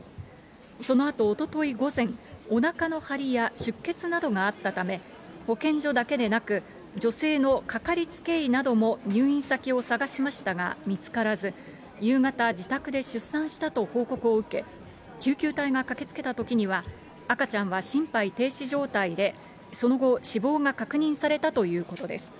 そのあと、おととい午前、おなかの張りや出血などがあったため、保健所だけでなく、女性の掛かりつけ医なども入院先を探しましたが、見つからず、夕方、自宅で出産したと報告を受け、救急隊が駆けつけたときには赤ちゃんは心肺停止状態で、その後、死亡が確認されたということです。